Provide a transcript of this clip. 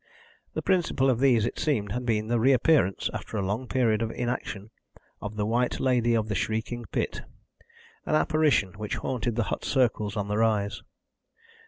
The principal of these, it seemed, had been the reappearance, after a long period of inaction, of the White Lady of the Shrieking Pit an apparition which haunted the hut circles on the rise.